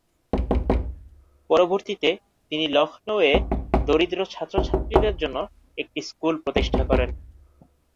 পরবর্তীতে তিনি লখনউ এ দরিদ্র ছাত্র-ছাত্রীদের জন্য একটি স্কুল প্রতিষ্ঠা করেন।